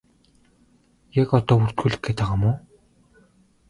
Яг одоо бүртгүүлэх гээд байгаа юм уу?